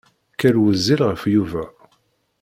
Ken wezzil ɣef Yuba.